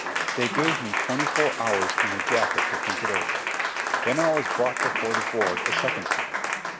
They gave me twenty four hours in the jacket to think it over. Then I was brought before the Board a second time.